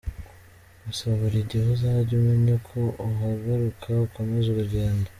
Gusa buri gihe uzajye umenya uko uhaguruka ukomeze urugendo.